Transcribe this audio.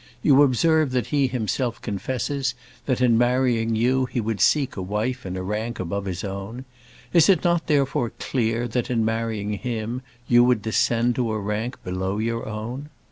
You observe that he himself confesses, that in marrying you he would seek a wife in a rank above his own. Is it not, therefore, clear, that in marrying him, you would descend to a rank below your own?